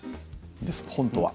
本当は。